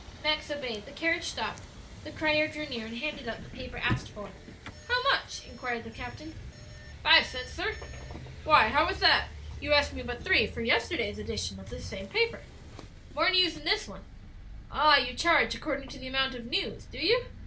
Max obeyed; the carriage stopped, the crier drew near and handed up the paper asked for. "How much?" inquired the captain. "Five cents, sir." "Why, how is that? You asked me but three for yesterday's edition of this same paper." "More news in this one." "Ah, you charge according to the amount of news, do you?"